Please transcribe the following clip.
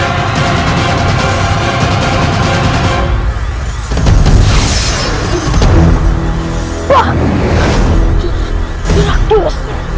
aku tidak bisa